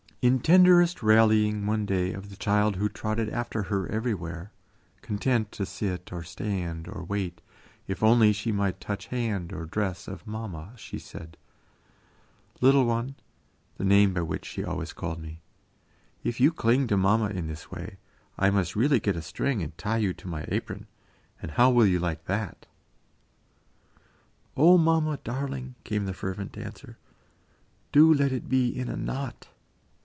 In tenderest rallying one day of the child who trotted after her everywhere, content to sit, or stand, or wait, if only she might touch hand or dress of "mamma," she said: "Little one" (the name by which she always called me), "if you cling to mamma in this way, I must really get a string and tie you to my apron, and how will you like that?" "O mamma, darling," came the fervent answer, "do let it be in a knot."